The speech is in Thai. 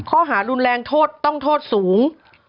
ข้อหารุนแรงโทษต้องโทษสูง